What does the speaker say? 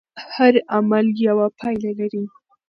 هر عمل یوه پایله لري.